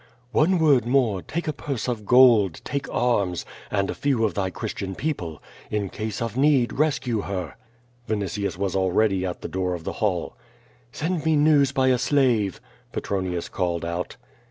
"One word more, take a purse of gold, take arms, and a few of tliy Christian people. In ease of need rescue lier!" Vinitius was already at the door of the hall. "Send me news by a slave," Petronius called out.